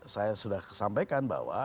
saya sudah sampaikan bahwa